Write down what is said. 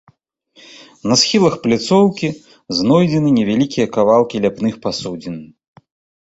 На схілах пляцоўкі знойдзены невялікія кавалкі ляпных пасудзін.